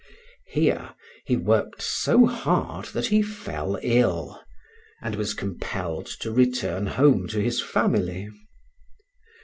Here he worked so hard that he fell ill, and was compelled to return home to his family.